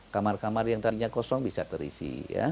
kamar kamar yang tadinya kosong bisa terisi